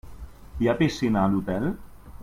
Hi ha piscina a l'hotel?